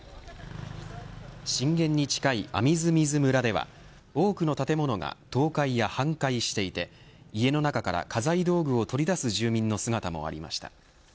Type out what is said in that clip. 震源に近いアミズミズ村では多くの建物が倒壊や半壊していて家の中から家財道具を取り出す住民の姿もありました。